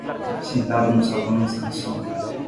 Sentado no salão e descansando